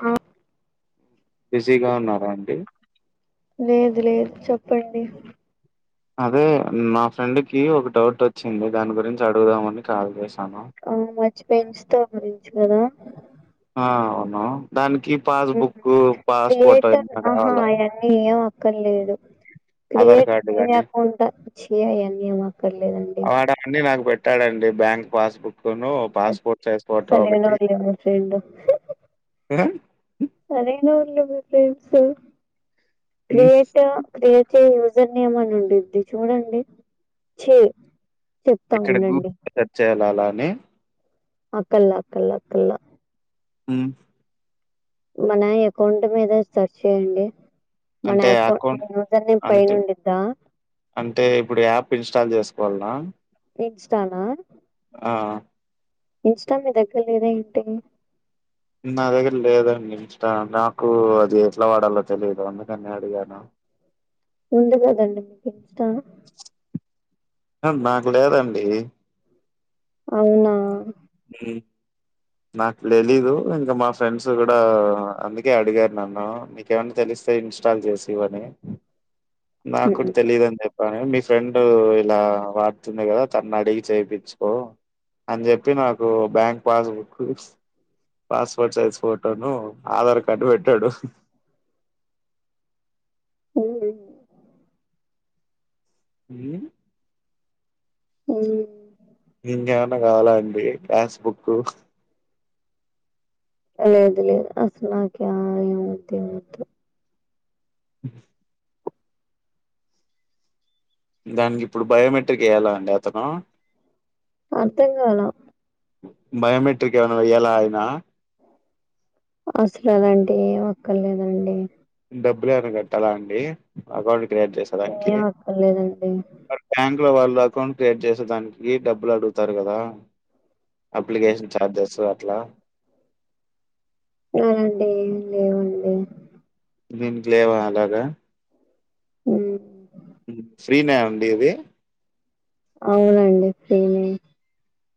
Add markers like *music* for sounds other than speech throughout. ఆ బిజీగా ఉన్నారా అండి లేదు లేదు చెప్పండి అదే మా ఫ్రెండ్ కి ఒక డౌట్ వచ్చింది దాని గురించి అడుగుదామని కాల్ చేశాను అవును మర్చిపోయా ఇంస్టా గురించి కదా ఆ అవును దానికి పాస్బుక్ పాస్పోర్ట్ పాస్పోర్ట్ ఏమైనా కావాలా అవి ఏం అక్కర్లేదు ఆధార్ క్రియేట్ కార్డు మై గాని యాప్ అంట చి అవేం అక్కర్లేదండి అండి నాకు పెట్టాడండి బ్యాంక్ పాసుబుక్క్ ను పాస్పోర్ట్ సైజ్ ఫోటో ఒకటి సరైనోళ్లే మీ ఫ్రెండ్ ఉమ్ సరేన అండి ఫ్రెండ్స్ హ్మ్ క్రియేట్ క్రియేట్ ఏ యూజర్ నేమ్ అని ఉండిద్ది చూడండి ఛే ఏక్కడ గూ సెర్చ్ చేయ్యాల అలా అని అక్కల్లా అక్కల్లా అక్కల్లా ఉమ్ మన ఎకౌంట్ మీద సర్చ్ చేయండి మన అంటే ఎకౌంట్ మన అకౌంట్ యూజర్ నేమ్ పైన అంటే ఉండ్డిదా అంటే ఇప్పుడు యాప్ ఇన్స్టాల్ చేసుకోవాలనా ఇంస్టా నా ఆ ఇంస్టా మీ దగ్గర లేదా ఏంటి నా దగ్గర లేదండి ఇంస్టా నాకు అది ఎట్లా వాడాలో తెలియదు. అందుకని అడిగాను ఉంది కదండి మీకు ఇంస్టా ఆ నాకు లేదండి అవునా ఉమ్ నాకు తెలీదు ఇంకా మా ఫ్రెండ్స్ కూడా అందుకే అడిగారు నన్ను నీకేమన్నా తెలిస్తే ఇన్స్టాల్ చేసి ఇవ్వని నాకు ఉమ్ కూడా తెలీదని చెప్ కానీ మీ ఫ్రెండ్ ఇలా వాడుతుంది కదా తన్ని అడిగి చేపిచ్చుకో అని చెప్పి నాకు బ్యాంక్ పాస్బుక్ పాస్పోర్ట్ సైజ్ ఫోటోను ఆధార్ కార్డు పెట్టాడు ఉమ్ ఊమ్ ఉమ్ ఇంకేమన్నా కావాలా అండి గ్యాస్ బుక్ లేదు లేదు అస్సల్నాకేవ్ వద్దే వద్దు *inaudible* దానికిప్పుడు బయోమెట్రిక్ ఎయ్యాలా అండి అతను అర్థం కాల బయోమెట్రిక్ ఏమైన వెయ్యాలా అయినా అస్లు అలాంటివి ఎమ్ అక్కర్ లేదండి. డబ్బులు ఏవన కట్టాలా అండి అకౌంట్ క్రియేట్ చేసేదానికి ఏం అక్కర్లేదండి అ బ్యాంక్ లో వాళ్ళు అకౌంట్ క్రియేట్ చేసే దానికి డబ్బులు అడుగుతారు గదా అప్లికేషన్ ఛార్జెస్ అట్లా అలాంటి ఎమ్ లేవండి దిన్కి లేవా అలాగా ఉమ్ ఫ్రీనే అండి ఇది అవునండి ఫ్రీనే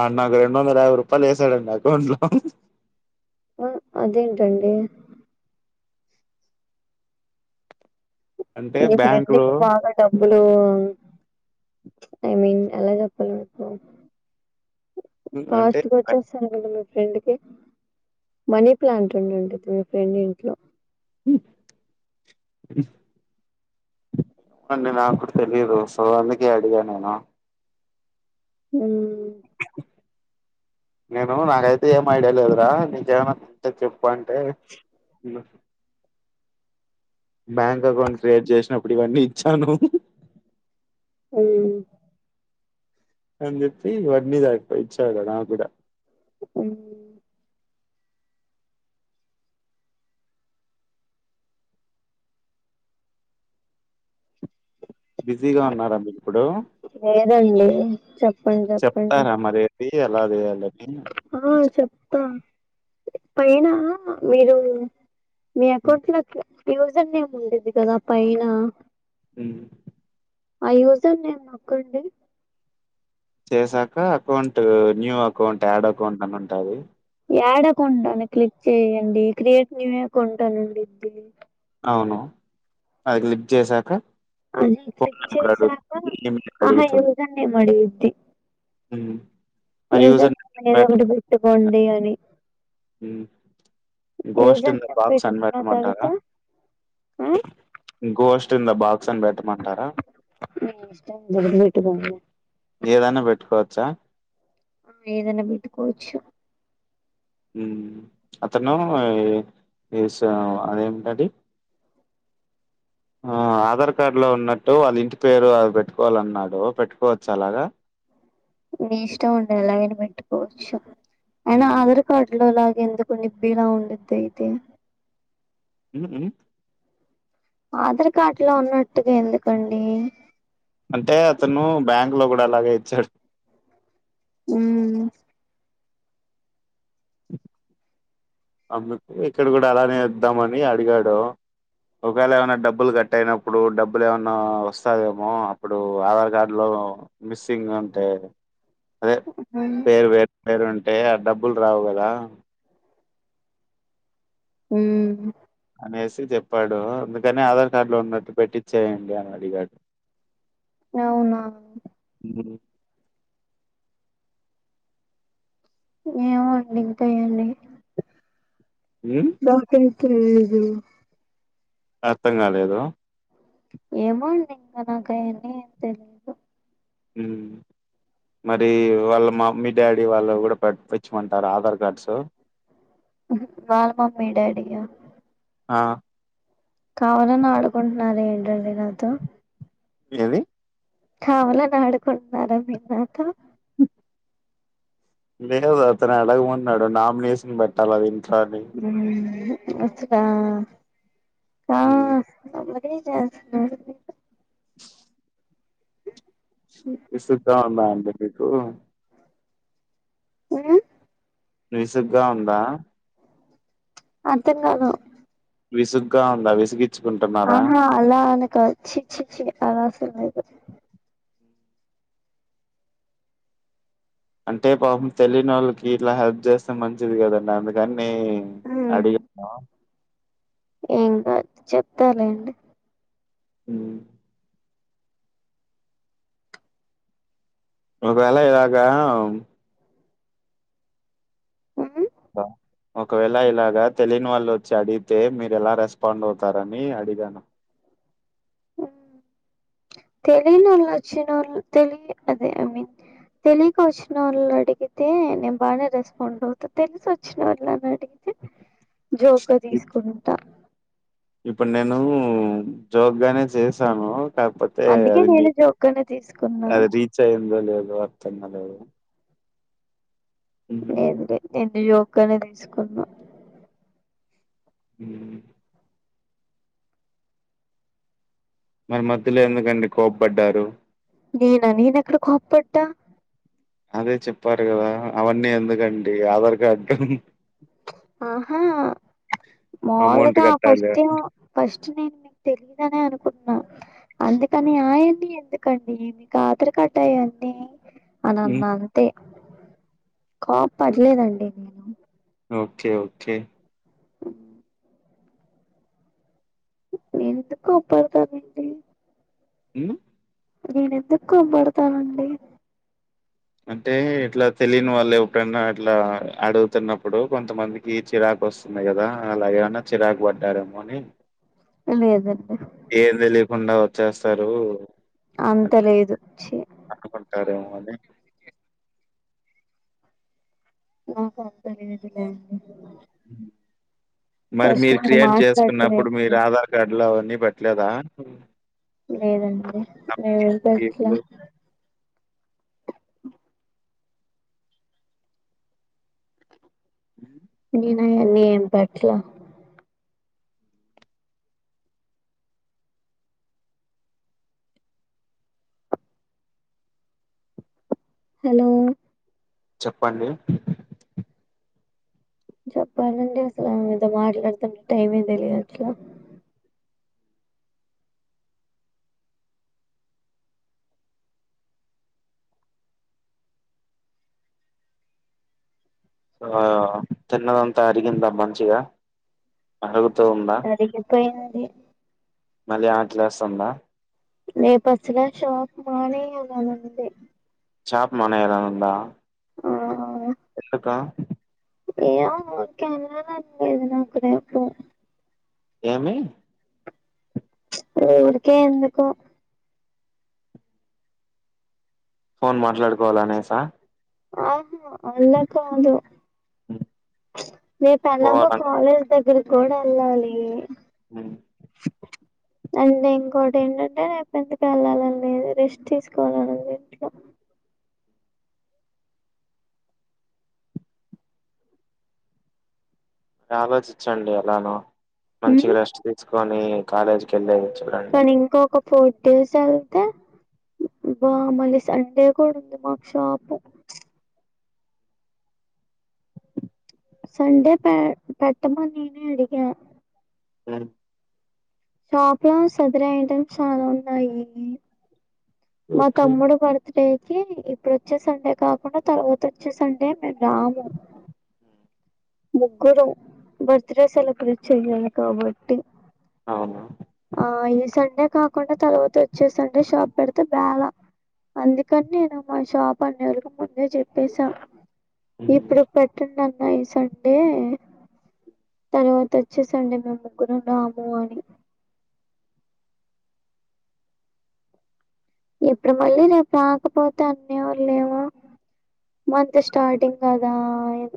ఆడు నాకు రెండు వందల యాభై రూపాయలు వేసాడండి అకౌంట్ లో అ అదేంటండి అంటే మీ ఫ్రెండ్ బ్యాంక్‌లో కి బాగా డబ్బులు ఐ మీన్ ఎలా చెప్పాలి ఇప్పుడు హ్మ్. అంటే పాస్ట్ వచ్చేస్తాను మీ ఫ్రెండ్ కి మనీ ప్లాంట్ ఉండి ఉంటది. మీ ఫ్రెండ్ ఇంట్లో *inaudible* ఏమో అండి నాకు కూడా తెలిదు సొ అందుకే అడిగా నేను ఉమ్ నేను నాకైతే ఏం ఐడియా లేదురా నీకేమైనా. ఉంటే చెప్పు అంటే. బ్యాంక్ అకౌంట్ క్రియేట్ చేసినప్పుడు ఇవన్నీ ఇచ్చాను. ఉమ్. అని చెప్పి వడ్ని దాయిపో ఇచ్చావు కదా నాక్కూడా. ఉమ్. బిజీగా ఉన్నార మీరిప్పుడు. లేదండి చెప్ చెప్తారా మరి ఏది ఎలా చేయాలో. ఆహ్ చెప్తాం పైన ఏదో. మీ అకౌంట్ లో యూజర్ నేమ్ ఉంటది గదా పైన. ఉమ్. యూజర్ నేమ్ నొక్కండి. చెసాక account new account add account అని ఉంటది. యాడ్ అకౌంటని క్లిక్ చెయ్యండి క్రియేట్ న్యూ అకౌంటని ఉండిద్ది. అవును అది లిక్ చేసాకా. అది క్లిక్ చేసాక ఈమెయిల్ ఆహా అడుగుతుంది యూజర్ నేమ్ అడుగుద్ది. ఉమ్. యూజర్ ఎదో ఒకటి పెట్టుకోండి అని. ఉమ్ ghost user in the name box పెట్టుకున్న తర్వాత అనిబెట్టమంటారా. ఆ గోష్ట్ ఇన్ ద బాక్స్ అని పెట్టమంటారా. మీ ఇష్టం ఏదోకటి పెట్టుకోండి. ఏదన్న పెట్టుకోవచ్చా. ఏదన్న పెట్టుకోవచ్చు. ఉమ్ అతను ఇస అదేమిటది. *inaudible* ఆహ్ ఆధార్ కార్డు లో ఉన్నట్టు వాళ్ల ఇంటి పేరు అది పెట్టుకోవాలన్నాడు పెట్టుకోవచ్చ అలాగా. మీ ఇష్టం ఉండ ఎలైనా పెట్టుకోవచ్చు అయిన ఉమ్. ఆరు కడ్లో లాగ ఎందుకు నిబ్బిలా ఉండిద్ధైతే. ఉమ్. ఆధార్ కార్డు లో ఉన్నట్టుగా ఎందుకండి. అంటే అతను బ్యాంక్ లో కూడా అలాగే ఇచ్చాడు. ఉమ్. అందుకు ఇక్కడ కూడా అలానే ఇద్దామని అడిగాడు. ఒకవేళ ఏమైన్నా డబ్బులు కట్ అయినప్పుడు డబ్బులు ఏమన్నా వస్తదేమో అప్పుడు ఆధార్ కార్డులో. మిస్సింగ్ అంటే. అదే పేరు వేరు పేరు ఉంటే ఆ డబ్బులు రావు కదా. ఉమ్. అనేసి చెప్పాడు అందుకని ఆధార్ కార్డు లో ఉన్నట్టు పెట్టించేయండి అని అడిగాడు. *inaudible* అవునా. ఉమ్. ఏమోండి ఇంతేయండి. ఉమ్. బాగా తిన్ తిన్ లేదు. అర్థం కాలేదు ఏమో అండి ఇంకా నాకయన్ని తెలీదు ఉ మరి వాళ్ళ మామ్మీ డాడీ వాళ్ళు కూడా పెట్టిచ్చమంటారు ఆధార్ కార్డ్స్ వాళ్ళ మమ్మీ డాడీయా ఆ కావాలని ఆడుకుంటున్నారా ఏంటండి నాతో ఏవి కావాలని ఆడుకుంటున్నారా మీరు నాతో లేదు అతను అడగమన్నాడు నామినేషన్ పెట్టాలి అది ఇంట్లో అని ఉ వస్తాదా ఉమ్ *unintelligible* చేస్తున్నారు మీరు చ్ ఉ విసుగ్గా ఉందా అండి మీకు ఉ విసుగ్గా ఉందా అర్థం కాదు విసుగ్గా ఉందా విసిగి ఆహా అలా అని కాదు చి చిఛి అలాసలులేదు అంటే పాపం తెలియని వాళ్ళకి ఇట్లా హెల్ప్ చేస్తే మంచిది కదండి అందుకని అడిగి ఆ ఇంకా చెప్తాలేండి ఉ ఒకవేళ ఇలాగా ఉమ్ బ ఒకవేళ ఇలాగ తెలియని వాళ్ళు వచ్చి అడిగితే మీరు ఎలా రెస్పాండ్ అవుతారని అడిగాను తెలినోళ్ళచ్చిన తెలి అదే ఐ మీన్ తెలియక వచ్చినోళ్ళు అడిగితే నేను బాగానే రెస్పాండ్ అవుతా తెలిసి వచ్చినోళ్ళని అడిగితే తే జోక్ గా ఇప్- తీసుకుంటా ఇప్పుడు నేను జోక్ గానే చేసాను కాకపోత్ తే అందుకే అది మీ నేను జోక్ గానే తీసుకున్నా అది రీచ్ అది అయ్యిందో లేదో అర్థం కాలేదు ఉ ఏంటి ఏంటి యోగానే తీసుకున్నా ఉ మరి మధ్యలో ఎందుకండి కోపబడ్డారు నేనా నేన ఎక్కడ కోప్పడ్డా అదే చెప్పారు కదా అవన్నీ ఎందుకండి ఆధార్ కార్డు ఆహా అమౌంట్ మాములుగా ఫస్ట్ కట్టాలి టైమ్ ఫస్ట్ నేను మీకు తెలీదునే అనుకున్నా అందుకని ఆ ఏంటి ఎందుకు కండి మీకు ఆత్రరి కట్టాయండి అని ఉమ్, అన్న అంతే కోపలేదండి నేను ఓకే ఓకే ఉ ఎందుకు కోపడతానండి హ్మ్ నేను ఎందుకు కోపడతానండి అంటే ఇట్లా తెలియని వాళ్ళు ఎప్పుడనా అట్లా అడుగుతున్నప్పుడు కొంతమంది కి చిరాకు వస్తుంది కదా అలాగేమన్నా చిరాకు పడ్డారేమో అని లేదండి ఏం తెలియకుండా వచ్చేస్తారు అంత లేదు ఛీ అనుకుంటారేమో అని మ్ హు తెలియదులేండి మరి మీరు క్రియేట్ మాట్లాడటమే జేసుకున్నప్పుడు మీరదా గట్లావన్నీ పెట్టలేదా లేదండి మేమయితే ఎట్ల కేకులు మేమ్ నేనాయన్నీ ఏం పట్లా హలో చెప్పండి చెప్పాలండి అసలు మీతో మాట్లాడుతుంటే టైమే తెలియట్ల ఆ తిన్నదంతా అరిగిందా మంచిగా అరుగుతూ ఉందా అరిగిపోయినది మళ్ళీ ఆకలేస్తుందా రేపస్సలా షాప్ మానేలనుంది షాప్ మానేయలనుంద ఆ ఎళ్ళుకా ఏమో నాకేళ్ళలని లేదు నాకు రేపు ఏమి ఏ ఊరికే ఎందుకో ఫోన్ మాట్లాడుకోవాలనేస ఆహువ అల్ల కాదు రేపు ఎలాగో పెలబ పోవాలని కాలేజ్ దగ్గరి కూడ ఎళ్ళాలి మ్ అంటే ఇంకోటి ఏంటంటే రేపు ఎందుకో ఎళ్ళాలని రెస్ట్ తీసుకోవాలని ఉంది ఇంట్లో ఆలోచించండి ఎలానో మంచిగ ఉమ్ రెస్ట్ తీసుకొని కాలేజీకి ఎళ్ళేది చూడండి కానీ ఇంకొక ఫోర్ డేస్ ఎళ్తే బా మళ్ళీ సండే కూడా ఉంది మాకు షాపు సండే పె పెట్టమని నేనే అడిగా ఏ షాప్లో సదిరే ఐటమ్స్ చాలా ఉన్నాయి మా ఓకే తమ్ముడు బర్ త్డేకి ఇప్పుడు వచ్చే సండే కాకుండా తర్వాత వచ్చే సండే మేము రాము ముగ్గురు బర్త్డే సెలబ్రేట్ చెయ్యాలి కాబట్టి అవున ఆ ఈ సండే కాకుండా తర్వాత వచ్చే సండే షాప్ పెడితే బేల అందుకని నేను మా షాప్ అన్నయ్యలకు ముందే చెప్పేసా ఉమ్, ఇప్పుడు పెట్టండి అన్నా ఈసన్ డే తర్వాత వచ్చే సండే మేము ముగ్గురం రాము అని ఇప్పుడు మళ్ళీ రేప్ రాకపోతే అన్నయవాళ్ళేమో మంత్ స్టార్టింగ్ కదా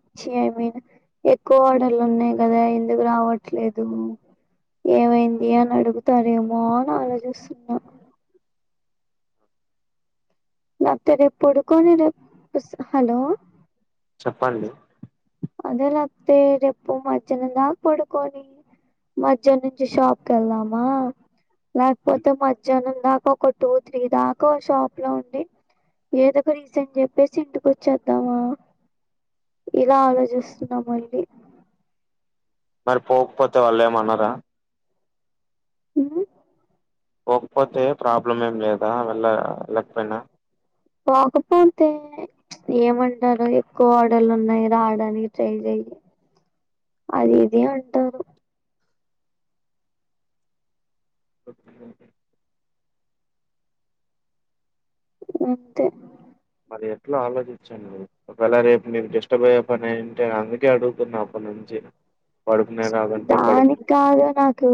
ఇచ్చి ఐ మీన్ ఎక్కువ ఆర్డర్లు ఉన్నాయి కదా ఎందుకు రావట్లేదు ఏమైంది అని అడుగుతారేమో అని ఆలోచిస్తున్నా నాత్ రేప్ పడుకోని రేప్ స్ హలో చెప్పండి అదే లేకపోతే రేపు మధ్యానం దాకా పడుకొని మధ్యాం నుంచి షాప్కేళ్దామా ఉమ్, లేకపోతే మధ్యాహ్నం దాకాఓక్ ఒక టూ త్రీ దాకా షాప్ లో ఉండి ఏదో ఒక రీసెంన్ చెప్పేసి ఇంటికి వచ్చేద్దామా ఇలా ఆలో చిస్తున్నా మళ్ళీ మరి పోకపోతే వాళ్ళు ఏమనరా ఉమ్ పోకపోతే ప్రాబ్లం ఏం లేదా వెళ్ళ వెళ్ళకపోయినా పోకపోతే ఏమంటారు ఎక్కువ ఆర్డర్లు ఉన్నాయి రావడానికి ట్రై చెయి అది ఇది అంటారు ఓకే అంతే మరి ఎట్లా ఆలోచించండి ఒకేలా రేపు మీర్ డిస్టర్బ్ అయ్యే పనైఉంటే అందుకే అడుగుతున్నా అప్పుడుంచి దానికాదు నాక్ కు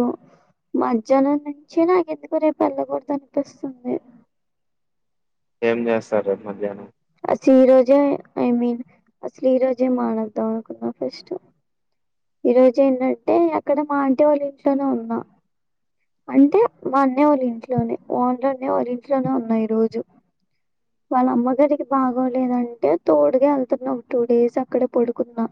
మధ్యాహనం నుంచి నాకెందుకో రేపు వెళ్ళకూడదు అనిపిస్తుంది ఏం చేస్తారు రేపు మధ్యాహ్నం అసలు ఈ రోజే ఐ మీన్ అసలు ఈ రోజే మానద్దాం అనుకున్నా ఫస్ట్ ఈ రోజు ఏంటంటే అక్కడ మా ఆంటీ వాళ్ళ ఇంట్లోనే ఉన్నా అంటే మా అన్న వాళ్ళ ఇంట్లోనే ఓనర్ అన్నయ్య వాళ్ళ ఇంట్లోనే ఉన్నా ఈ రోజు ఉ వాళ్ళ అమ్మగారికి బాగోలేదంటే తోడుగా వెళ్తున్నా ఒక టూ డేస్ అక్కడే పడుకున్నా